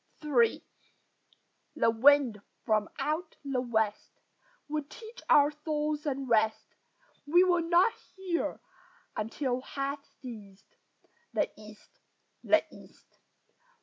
III The wind from out the west Would teach our souls unrest; We will not hear until hath ceased The East, the East!